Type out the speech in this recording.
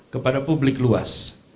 kepada publik luas